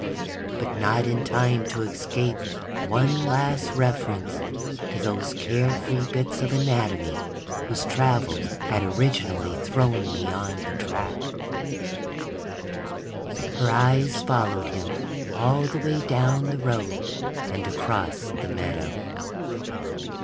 But not in time to escape one last reference to those carefree bits of anatomy whose travels had originally thrown me on the track: _... her eyes followed him all the way down the road and across the meadow.